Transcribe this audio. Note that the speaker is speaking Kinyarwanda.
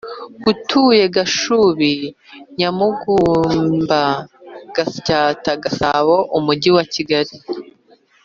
utuye Gashubi NyamagumbaGatsata Gasabo Umujyi wa Kigali